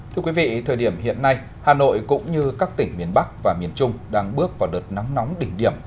thưa quý vị thời điểm hiện nay hà nội cũng như các tỉnh miền bắc và miền trung đang bước vào đợt nắng nóng đỉnh điểm